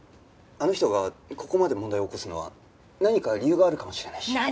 あの人がここまで問題を起こすのは何か理由があるかもしれないし。